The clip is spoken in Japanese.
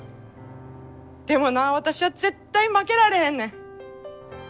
でもな私は絶対負けられへんねん。